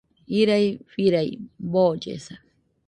Irai firai, boollesa